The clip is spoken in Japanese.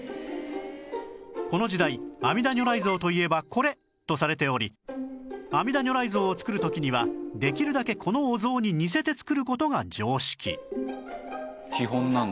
この時代「阿弥陀如来像といえばこれ」とされており阿弥陀如来像を作る時にはできるだけこのお像に似せて作る事が常識